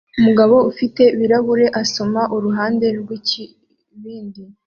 Umugabo ufite ibirahure asoma uruhande rwikibindi